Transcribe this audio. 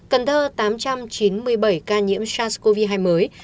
cần thơ tám trăm chín mươi bảy ca nhiễm sars cov hai mới